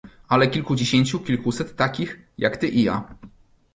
"Ale kilkudziesięciu, kilkuset takich, jak ty i ja..."